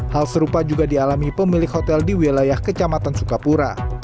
hal serupa juga dialami pemilik hotel di wilayah kecamatan sukapura